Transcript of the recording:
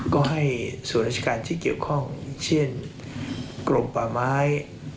ก็ให้ส่วนราชการที่เกี่ยวข้องเช่นกรมป่าไม้